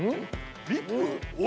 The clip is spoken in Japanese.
リップ？